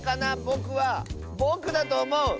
ぼくはぼくだとおもう！